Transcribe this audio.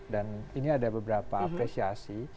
dan ini ada beberapa apresiasi